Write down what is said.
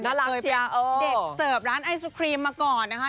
เธอเคยเป็นเด็ดเสิร์ฟร้านไอซูครีมมาก่อนค่ะ